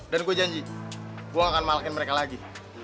dan gue janji gue akan malakin mereka lagi